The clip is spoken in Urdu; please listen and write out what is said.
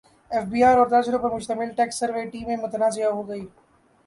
ایف بی ار اور تاجروں پر مشتمل ٹیکس سروے ٹیمیں متنازع ہو گئیں